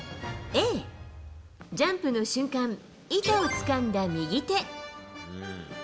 Ａ、ジャンプの瞬間、板をつかんだ右手。